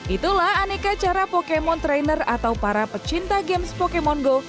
itulah aneka cara pokemon trainer atau para pecinta games pokemon go